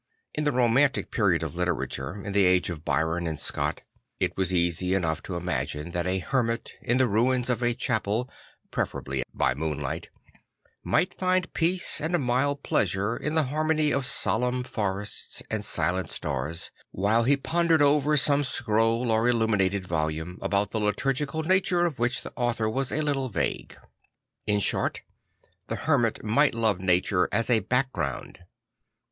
In the romantic period of Ii tera ture, in the age of Byron and Scott, it was easy enough to imagine that a hermit in the ruins of a chapel (preferably by moonlight) might find peace and a mild pleasure in the harmony of solemn forests and silent stars, while he pondered over some scroll or illuminated volume, about the liturgical nature of which the author was a little vague. In short, the hermit might love nature as a background.